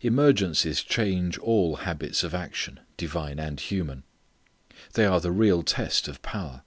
Emergencies change all habits of action, divine and human. They are the real test of power.